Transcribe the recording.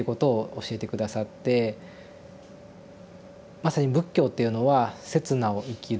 まさに仏教というのは「刹那を生きる」。